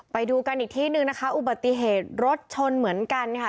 ไปดูกันอีกที่หนึ่งนะคะอุบัติเหตุรถชนเหมือนกันค่ะ